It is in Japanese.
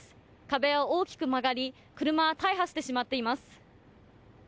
壁は大きく曲がり車は大破してしまっています。